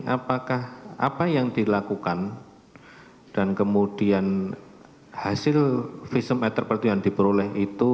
apakah apa yang dilakukan dan kemudian hasil visum et repertu yang diperoleh itu